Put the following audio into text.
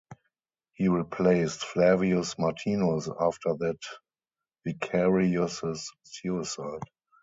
He replaced Flavius Martinus after that vicarius' suicide.